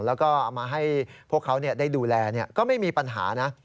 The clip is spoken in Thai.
แล้วก็เอามาให้พวกเขาได้ดูแลก็ไม่มีปัญหานะ